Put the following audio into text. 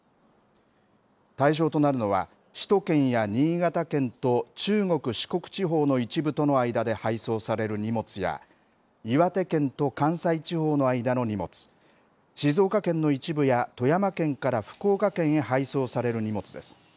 対象となるのは、首都圏や新潟県と中国、四国地方との一部との間で配送される荷物や、岩手県と関西地方の間の荷物、静岡県の一部や、富山県から福岡県へ配送される荷物です。